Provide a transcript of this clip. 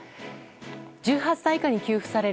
１８歳以下に給付される